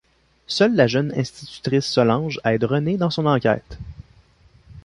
Seule la jeune institutrice Solange aide René dans son enquête.